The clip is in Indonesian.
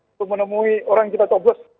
untuk menemui orang yang kita cobus